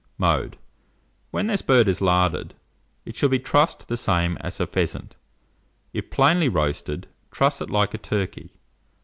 Mode. When this bird is larded, it should be trussed the same as a pheasant; if plainly roasted, truss it like a turkey.